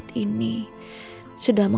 terima kasih bu